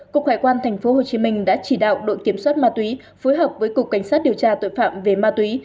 cục hải quan tp hcm đã chỉ đạo đội kiểm soát ma túy phối hợp với cục cảnh sát điều tra tội phạm về ma túy